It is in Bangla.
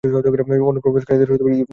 অনুপ্রবেশকারীদর ইউতা ক্ষমা করবে না।